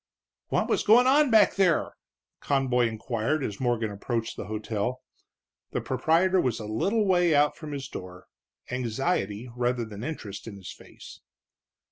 "What was goin' on back there?" Conboy inquired as Morgan approached the hotel. The proprietor was a little way out from his door, anxiety, rather than interest, in his face.